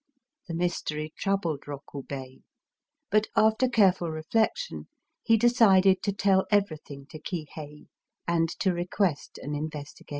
The mystery troubled Rokubei ; but, after careful reflection, he decided to tell everything to Kihei, and to request an investigation.